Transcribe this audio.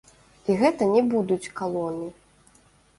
І гэта не будуць калоны.